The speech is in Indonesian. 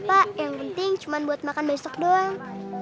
pak yang penting cuma buat makan besok doang